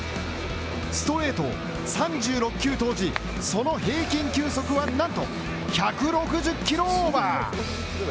ストレートを３６球投じ、その平均球速はなんと１６０キロオーバー！